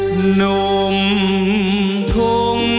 หนุ่มทม